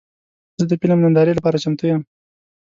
زه د فلم نندارې لپاره چمتو یم.